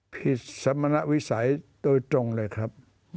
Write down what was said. สมณวิสัยโดยตรงเลยครับ